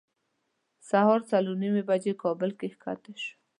سهار څلور نیمې بجې کابل کې ښکته شوو.